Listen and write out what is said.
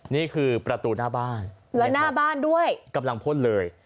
นี่คือประตูหน้าบ้านและหน้าบ้านด้วยกำลังพ่นเลย